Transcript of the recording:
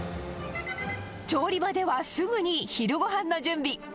調理場ではすぐに昼ごはんの準備。